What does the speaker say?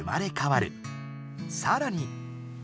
さらに。